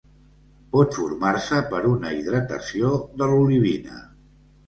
Pot formar-se per una hidratació de l'olivina.